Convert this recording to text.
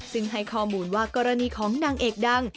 ซึ่งให้ข้อมูลว่ากรณีของนางเอกดัง